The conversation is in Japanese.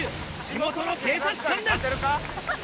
地元の警察官です。